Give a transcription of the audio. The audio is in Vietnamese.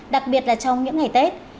đặc biệt là trong những ngày tết